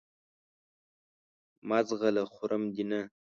مه ځغله خورم دې نه !